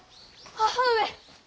母上！